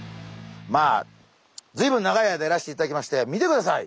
まあずいぶん長い間やらせていただきまして見てください